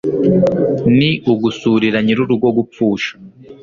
ni ugusurira nyirurugo gupfusha